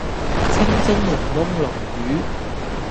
清蒸檸檬鱸魚